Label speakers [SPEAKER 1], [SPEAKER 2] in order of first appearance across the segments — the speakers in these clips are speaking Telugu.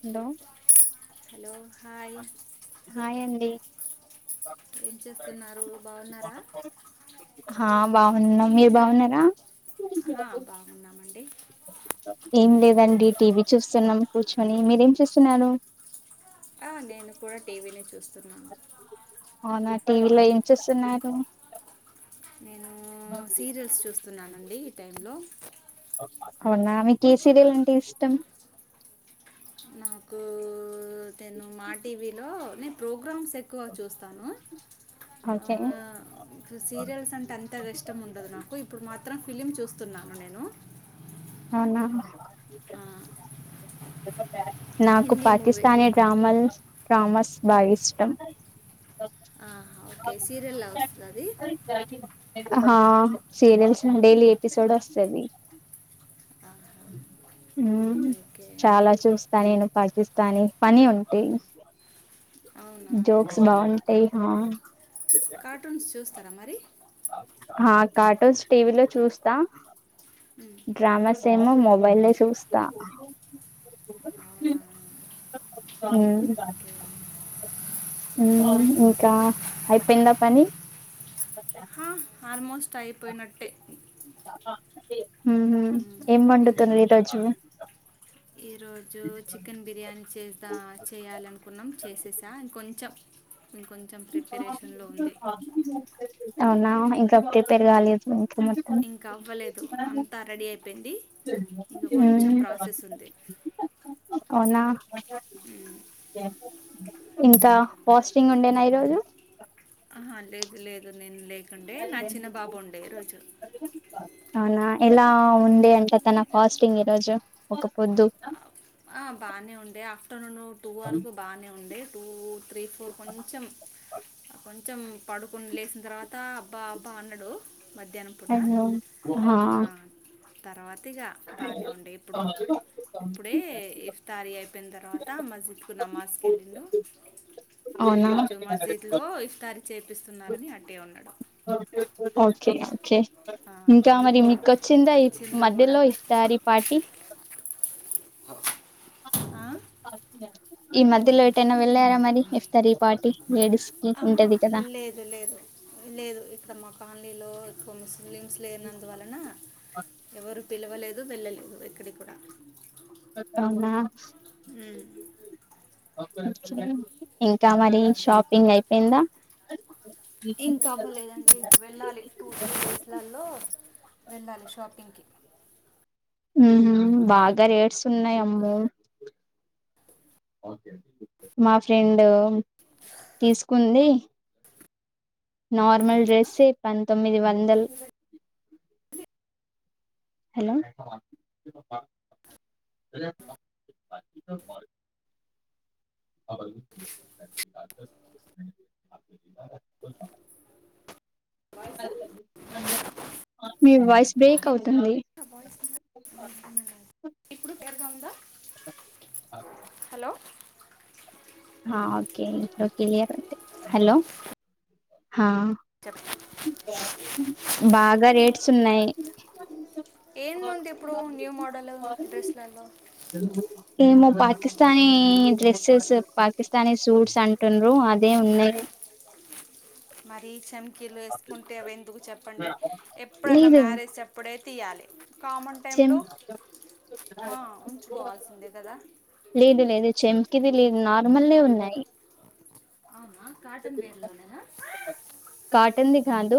[SPEAKER 1] హలో
[SPEAKER 2] హలో హాయ్
[SPEAKER 1] హాయండి
[SPEAKER 2] ఏం చేస్తున్నారు బాగున్నారా
[SPEAKER 1] హా బాగున్నాం మీరు బాగున్నారా
[SPEAKER 2] ఆహా, బాగున్నామండి
[SPEAKER 1] ఏం లేదండి టీవీ చూస్తున్నాం కూర్చుని మీరేం చేస్తున్నారు
[SPEAKER 2] నేను కూడా టీవీనే చూస్తున్నా
[SPEAKER 1] అవునా టీవీలో ఏం చూస్తున్నారు
[SPEAKER 2] నేను సీరియల్స్ చూస్తున్నానండి ఈ టైంలో
[SPEAKER 1] అవునా మీకు ఏ సీరియల్ అంటే ఇష్టం
[SPEAKER 2] నాకు నేను మా టీవీలో నేను ప్రోగ్రామ్స్ ఎక్కువ చూస్తాను
[SPEAKER 1] ఓకే
[SPEAKER 2] సీరియల్స్ అంటే అంత ఇష్టం ఉండదు నాకు ఇప్పుడు మా మాత్రం ఫిలిమ్ చూస్తున్నాను నేను
[SPEAKER 1] అవునా
[SPEAKER 2] ఆ
[SPEAKER 1] చెప్ప నాకు
[SPEAKER 2] హిందీ మూవీ
[SPEAKER 1] పాకిస్తానీ డ్రామల్ తమస్ బాగా ఇష్టం
[SPEAKER 2] ఆహా ఓకే సీరియల్లా వస్తుద అది
[SPEAKER 1] ఆహా సీరియల్స్ డైలీ ఎపిసోడ్ వస్తది
[SPEAKER 2] ఆహా,
[SPEAKER 1] ఉ
[SPEAKER 2] ఓకే
[SPEAKER 1] చాలా చూస్తా నేను పాకిస్తానీ పని ఉంటే
[SPEAKER 2] అవునా
[SPEAKER 1] జోక్స్ బాగుంటాయి ఆ
[SPEAKER 2] కార్టూన్స్ చూస్ త్తార మరి
[SPEAKER 1] హా కార్టూన్స్ టీవీలో చూస్తా డ్రామాస్ సేమొ మొబైల్ చూస్తా
[SPEAKER 2] అవునా ఓకే
[SPEAKER 1] ఉమ్ ఇంకా అయిపెయిందా పని
[SPEAKER 2] హా, ఆల్మోస్ట్ అయిపోయినట్టే
[SPEAKER 1] ఊహు
[SPEAKER 2] మ్మ్,
[SPEAKER 1] ఏం
[SPEAKER 2] మ్మ్.
[SPEAKER 1] వండుతుడ్రు ఈ రోజు
[SPEAKER 2] ఈరోజు చికెన్ బిర్యానీ చేసా చేయ్యాలనుకున్నాం చేసేసా ఇం కొంచెం ఇంకొంచం ప్రిపరేషన్లో ఉంది
[SPEAKER 1] అహా ఇంక ప్రిపేర్ గాలేదు
[SPEAKER 2] ఇంకా అవ్వలేదు అంతా రెడీ అయిపేయింది
[SPEAKER 1] అ అవునా ఇంకా ఫాస్టింగ్ ఉండేనా ఈ రోజు
[SPEAKER 2] ఆహా లేదు లేదు నేను లే ఉండే నా చిన్నబాబు ఉండే రోజు
[SPEAKER 1] అవునా ఎలా ఉండే అంటే తన ఫాస్టింగ్ ఈరోజు ఒక్క పొద్దు
[SPEAKER 2] ఆ బానే ఉండా ఆఫ్టర్నూనూ టూ వరకు బానే ఉండే టూ త్రీ ఫోర్ కొంచెం
[SPEAKER 1] బగ్
[SPEAKER 2] కొంచెం పడుకొని లేచిన తర్వాత అబ్బా అబ్బా అన్నాడు మధ్యాహ్నం పూట
[SPEAKER 1] అయ్యో హా
[SPEAKER 2] తర్వా కొద్దిగా బానే ఉండే ఇప్పుడు ఇప్పుడే తారీ అయిపోయిన తర్వాత మస్జిద్ కు నమాజ్ కి ఎళ్ళిండు
[SPEAKER 1] అవునా
[SPEAKER 2] తరి చేపిస్తున్నారని అటే ఉన్నడు
[SPEAKER 1] ఓకే ఓకే ఇంకా మరి మీకొచ్చిందా ఈ
[SPEAKER 2] వచ్చిండు కూడా
[SPEAKER 1] మధ్యలో ఇస్తారీ పార్టీ
[SPEAKER 2] అ
[SPEAKER 1] ఈ మధ్యలో ఏటైనా వెళ్ళారా మరి ఇఫ్తరీ పార్టీ లేడీస్ కి
[SPEAKER 2] ఆహా,
[SPEAKER 1] ఉంటది కదా
[SPEAKER 2] మకానీలో ఎక్కువ ముస్ ముస్లిమ్స్ లేనందువలన ఎవరు పిలవలేదు వెళ్ళలేదు ఎక్కడికి కూడా
[SPEAKER 1] అవునా అక్కనే. ఇంకా మరి షాపింగ్ అయిపోయిందా.
[SPEAKER 2] ఇంకా అవ్వలేదండి వెళ్ళాలి టూ త్రీ డేస్ లలో వెళ్ళాలి షాపింగ్కి.
[SPEAKER 1] ఉహ్మ్ బాగా రేట్స్ ఉన్నాయి అమ్మె మా ఫ్రెండ్ తీసుకుంది. నార్మల్ డ్రెసే పంతొమ్మిది వంద్ వందల్. హలో. మీ వాయిస్ బ్రేక్ అవుతుంది.
[SPEAKER 2] వాయిస్.
[SPEAKER 1] [inaudible]
[SPEAKER 2] క్లియర్ గా ఉందా.
[SPEAKER 1] ఆహ్.
[SPEAKER 2] హలో.
[SPEAKER 1] ఆహ్ ఓకే ఇప్పుడు క్లియర్ ఉంది హలో ఆహ్
[SPEAKER 2] చెప్పు
[SPEAKER 1] బాగా రేట్స్ ఉన్నాయి.
[SPEAKER 2] ఉంది ఇప్పుడు న్యూ మోడల్ డ్రెస్లలో.
[SPEAKER 1] కానీ డ్రెస్సెస్. పాకిస్తానీ సూట్స్ అంటుండ్రు అదే ఉన్నాయి.
[SPEAKER 2] మరి చెన్. కీలు వేసుకుంటే అవి ఎందుకు చెప్పండి. ఎప్పుడన్నా
[SPEAKER 1] లేదు
[SPEAKER 2] మ్యారేజ్ అప్పుడే. తీయాలి. కామన్
[SPEAKER 1] చెం
[SPEAKER 2] టైంలో ఆహ్ ఉంచుకోవాల్సిందే కదా.
[SPEAKER 1] కిరిలి లేదు నార్మలే ఉన్నాయి.
[SPEAKER 2] ఆహ్ కాటన్ వేర్ లోనేనా.
[SPEAKER 1] కాటన్ది కాదు.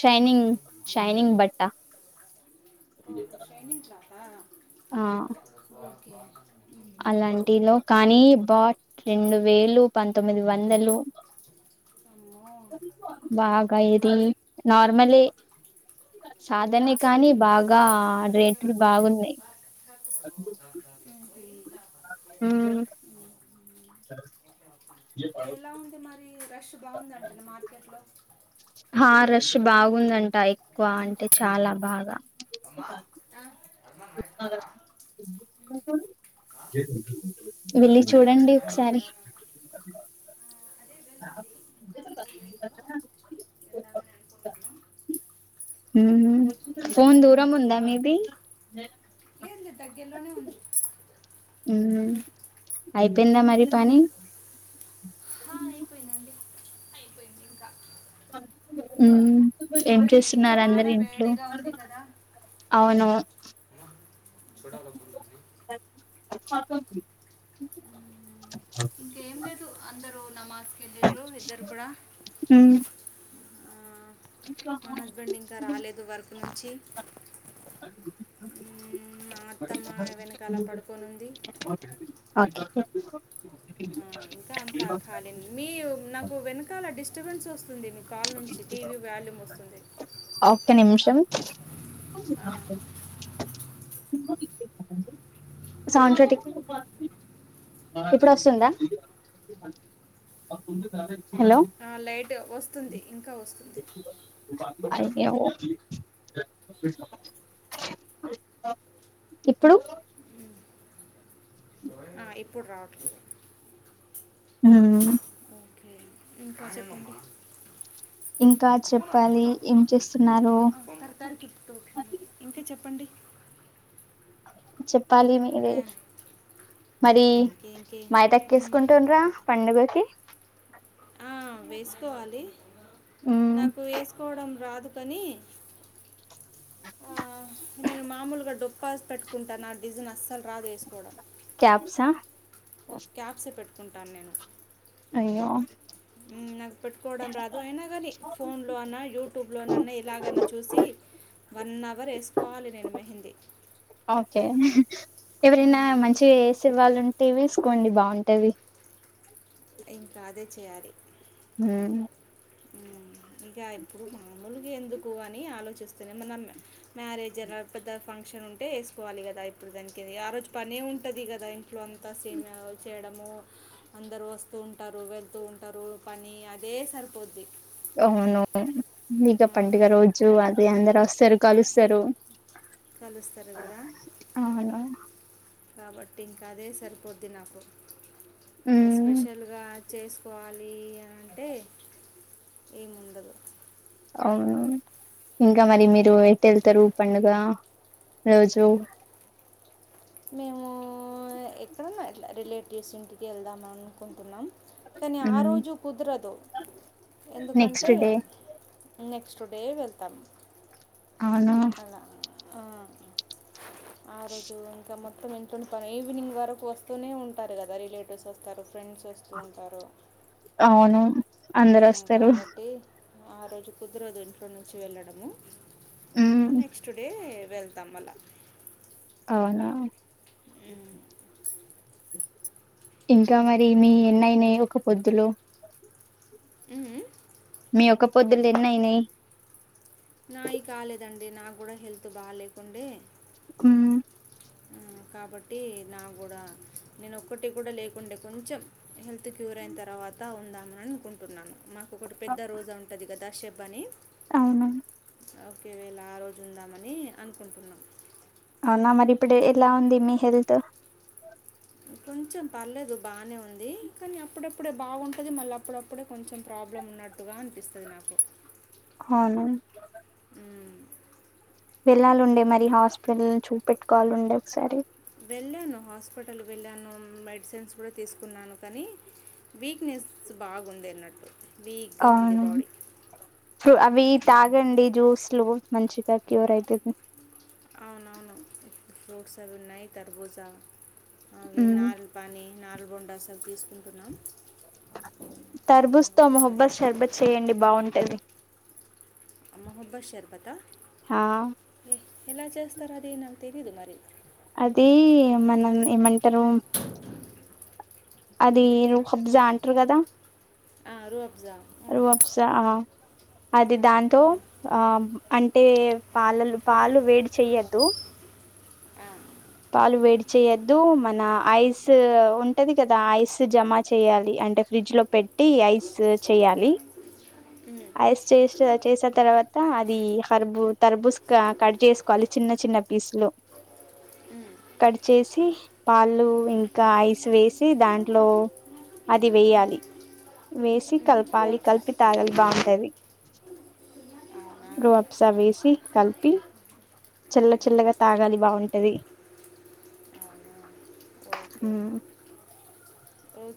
[SPEAKER 1] షైనింగ్ షైనింగ్ బట్ట.
[SPEAKER 2] షైనింగ్ క్లాతా.
[SPEAKER 1] ఆహ్ అలాంటిలో కానీ బాట్. రెండు వేలు, పంతొమ్మిది వందలు.
[SPEAKER 2] అమ్మో ఉమ్.
[SPEAKER 1] బాగా ఎర్లీ. నార్మలీ సాధనే కానీ బాగా. ఇకా రేట్లు బాగున్నాయి.
[SPEAKER 2] [inaudible]
[SPEAKER 1] హ్మ్.
[SPEAKER 2] బాగుందంటన మార్కెట్ లో.
[SPEAKER 1] ఆహ్ రష్ బాగుందంట ఎక్కువ అంటే చాలా బాగా.
[SPEAKER 2] ఆహ్.
[SPEAKER 1] వెళ్ళి చూడండి
[SPEAKER 2] కండలు
[SPEAKER 1] ఒకసారి
[SPEAKER 2] తినమ్మా అదే వెళ్ళాలి వెళ్దామని అనుకుంటున్నాం
[SPEAKER 1] హు హు ఫోన్ దూరం ఉంద
[SPEAKER 2] ఇంకేమవుతుందో
[SPEAKER 1] మీది
[SPEAKER 2] లేదు లేదు దగ్గర్లోనే ఉంది
[SPEAKER 1] హు అయిపోయిందా మరి పని
[SPEAKER 2] హ అయిపోయిదండి అయిపోయింది ఇంకా
[SPEAKER 1] ఉ
[SPEAKER 2] వేడి చాలా వేడిగా ఉంది కదా
[SPEAKER 1] అవును [unintelligible]
[SPEAKER 2] ఇంకేం లేదు అందరూ నమస్ ఇలింద్ర ఇద్దరు కూడా
[SPEAKER 1] ఉమ్
[SPEAKER 2] ఆ, మా హస్బెండ్ ఇంకా రాలేదు వర్క్ నుంచి
[SPEAKER 1] అ
[SPEAKER 2] మా అత్తమ్మ వెనకలా పడుకొని ఉంది
[SPEAKER 1] ఓకే
[SPEAKER 2] ఆ ఇంకా అంతా ఖాళీని మీ నాకు వెనకాల డిస్ స్టబన్స్ వస్తుంది మీకు
[SPEAKER 1] ఒక్క నిమిషం
[SPEAKER 2] ఆ,
[SPEAKER 1] స్రటిక్ ఇప్పుడు వస్తుందా హలో
[SPEAKER 2] ఆ లైట్ వస్తు వస్తుంది ఇంకా వస్తుంది
[SPEAKER 1] అదేఓ ఇప్పుడు
[SPEAKER 2] మ్మ్. ఆ ఇప్పుడు రావట్లేదు
[SPEAKER 1] ఉమ్
[SPEAKER 2] ఇంకా కాసేపు ఉండు
[SPEAKER 1] ఇంకా చెప్పాలి ఏం చేస్తున్నారు
[SPEAKER 2] [unintelligible] ఇంకా చే చెప్పండి
[SPEAKER 1] చెప్పాలి మీరె
[SPEAKER 2] ఇంకా
[SPEAKER 1] మరి
[SPEAKER 2] ఓకే ఇంకే మ్.
[SPEAKER 1] మాయటక్కేసుకుంటుండరా పండుగకి
[SPEAKER 2] ఆ వేసుకోవాలి
[SPEAKER 1] ఉమ్
[SPEAKER 2] నాకు వేసుకోవడం రాదు కని నేను అ మామూలుగా డొప్పాస్ పెట్టుకుంటాను ఆ డిజైన్ అస్సలు రాదు వేసుకోవడం
[SPEAKER 1] క్యాప్స
[SPEAKER 2] క్యాబ్ స పెట్టు కుంటాను నేను
[SPEAKER 1] అయ్యో
[SPEAKER 2] హ్మ్ నాకు పెట్టుకోవడం రాదు అయినా కానీ ఫోన్లో అన్నా యూట్యూబ్లోన అన్నా ఇలాగన్నా చూసి వన్ అవర్ వేసుకోవాలి నేను మెహందీ
[SPEAKER 1] ఓకే
[SPEAKER 2] హ్మ్
[SPEAKER 1] తీవిస్కోండి బాగుంటాది
[SPEAKER 2] ఇంకా అదే చేయాలి
[SPEAKER 1] హ
[SPEAKER 2] ఉ ఇంకా ఇప్పుడు మామూలుగా ఎందుకు ఎక్కువ అని ఆలోచిస్తుూనే మనం మ్యారేజ్ అ పెద్ద ఫంక్షన్ ఉంటే వేసుకోవాలి కదా ఇప్పుడు దానికి ఆ రోజు పనే ఉంటుంది కదా ఇంట్లో అంతా సమ చేయడము అందరుూ వస్తూ ఉంటారు వెళ్తూ ఉంటారు పని అదే సరిపోదు అది
[SPEAKER 1] అవును ఇక పండుగ రోజు అదే అందరు వస్తారు కలుస్తారు
[SPEAKER 2] కలుస్తారు కదా
[SPEAKER 1] అవును
[SPEAKER 2] కాబట్టి ఇంకా అదే సరిపోద్ది నాకు
[SPEAKER 1] హ్మ్
[SPEAKER 2] ఎపెషల్ గా చేసుకోవాలి ఈ ముందులో
[SPEAKER 1] అవును ఇంకా మరి మీరు ఎయితే వెళ్తారు పండుగ రోజు
[SPEAKER 2] మేము ఎక్కడన్నా ఎట్లా రిలేటివ్స్ ఇంటికి వెళ్దాం అనుకుంటున్నాం కానీ ఆ
[SPEAKER 1] హ్మ్
[SPEAKER 2] రోజు కుదరదు
[SPEAKER 1] నెక్స్ట్
[SPEAKER 2] ఎందుకంటే
[SPEAKER 1] డే
[SPEAKER 2] నెక్స్ట్ డే వెళ్తామ్
[SPEAKER 1] అవునా
[SPEAKER 2] ఆ ఆరో జూన్ ఇంకా మొత్తం ఇంట్లోని పనే ఈవినింగ్ వరకు వస్తూనే ఉంటారు కదా రిలేటివ్స్ వస్తారు. ఫ్రెండ్స్ వస్తూ ఉంటారు
[SPEAKER 1] అవును అందరు
[SPEAKER 2] ఉమ్,
[SPEAKER 1] వస్తారు
[SPEAKER 2] కాబట్టి ఆ రోజు కుదరదు ఇంట్లో నుంచి వెళ్ళడము
[SPEAKER 1] హ్మ్
[SPEAKER 2] ఆ నెక్స్ట్ డే వెళ్తాం మల్ల
[SPEAKER 1] అవునా ఇంకా మరి మీ ఎన్నయినాయి ఒక పొద్దులో
[SPEAKER 2] హు హ్మ్
[SPEAKER 1] మీ ఒక్క పొద్దులు ఎన్నయినాయి
[SPEAKER 2] అంటే నాకు కూడా హెల్త్ బా లేకుండే
[SPEAKER 1] హ్మ్
[SPEAKER 2] కాబట్టి నా కూడా నేను ఒక్కటిే కూడా లేకుండే కొంచెం హెల్త్ క్యూర్ అయిన తర్వాత ఉందామని అనుకుంటున్నాను మాకు ఒకటి పెద్ద రోజా ఉంటుంది కదా శబ్ పని
[SPEAKER 1] అవునా
[SPEAKER 2] ఒకేవేళ ఆ రోజు ఉందామని అనుకుంటున్నాం
[SPEAKER 1] అవునా మరి ఇప్పుడు ఎలా ఉంది మీ హెల్త్
[SPEAKER 2] కొంచెం పర్లేదు బానే ఉంది. కానీ అప్పుడప్పుడే బాగుంటుంది మళ్ళీ అప్పుడప్పుడే కొంచెం ప్రాబ్లం ఉన్నట్టుగా అనిపిస్తుంది నాకు
[SPEAKER 1] అవునవున్
[SPEAKER 2] ఉమ్,
[SPEAKER 1] వెళ్ళాలండి మరి
[SPEAKER 2] అలా
[SPEAKER 1] హాస్పిటల్ చూపెట్టు కాల్ అండి ఒకసారి
[SPEAKER 2] వెళ్ళాను హాస్పిటల్ వెళ్ళాను మెడిసిన్స్ కూడా తీసుకున్నాను కానీ వీక్నెస్ బాగుంది అన్నట్టు వీక్గా ఉంది
[SPEAKER 1] అవును
[SPEAKER 2] బాడీ
[SPEAKER 1] అవి
[SPEAKER 2] ఉమ్.
[SPEAKER 1] తాగండి జ్యూస్లు మంచిగా క్యూర్ అయితది
[SPEAKER 2] అవునవును ఫ్రూట్స్ ఉన్నాయి కర్బూజా
[SPEAKER 1] మ్మ్
[SPEAKER 2] ఏనాల్ పని [unintelligible] బొండాసలు తీసుకుంటున్నాం ఆ,
[SPEAKER 1] తరబూజ్తో
[SPEAKER 2] ఒక గ్లాస్
[SPEAKER 1] [unintelligible] షర్బత్ చేయండి బాగుంటది
[SPEAKER 2] మొహబ్బత్ షర్బతా
[SPEAKER 1] హా
[SPEAKER 2] ఏ, ఎలా చేస్తారు అదే నాకు తెలియదు మరిీ
[SPEAKER 1] అది మనం ఏమంటారు అది హబ్జా అంటారు కదా
[SPEAKER 2] ఆ అదే అబ్జా
[SPEAKER 1] ఓ అబ్సా నా అది దాంతో ఆ అంటే పాలలు పాలు వేడి చెయ్యొద్దు
[SPEAKER 2] ఆ,
[SPEAKER 1] పాలు వేడి చేయొద్దు. మన ఐస్ ఉంటది కదా ఐస్ జమ చేయాలి. అంటే ఫ్రిడ్జ్ లో పెట్టి ఐస్ చేయాలి
[SPEAKER 2] ఉమ్,
[SPEAKER 1] ఐస్ చేష్ణా చేసా తర్వా త అది హర్బు తర్బూస్ క కట్ చేసుకోవాలి చిన్న చిన్న పీస్ లో
[SPEAKER 2] ఉమ్, ఉమ్,
[SPEAKER 1] కట్ చేసి పాలు ఇంకా ఐస్ వేసి దాంట్లో అది వేయాలి. వేసి
[SPEAKER 2] ఉమ్,
[SPEAKER 1] కలపాలి,
[SPEAKER 2] రూఅఫ్జా
[SPEAKER 1] కలిపి తాగలి బాంటది
[SPEAKER 2] అవునా ఆహా,
[SPEAKER 1] రప్సా వేసి కలిపి చల్లచల్లగా తాగాలి బాగుంటది
[SPEAKER 2] అవునా ఓకే ఓకే